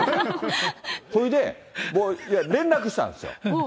ほいで、僕、連絡したんですよ。